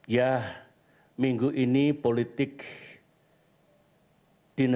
ya minggu ini politik di negara